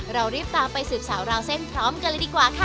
เรารีบตามไปสืบสาวราวเส้นพร้อมกันเลยดีกว่าค่ะ